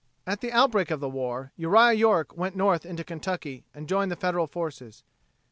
At the outbreak of the war, Uriah York went north into Kentucky and joined the Federal forces.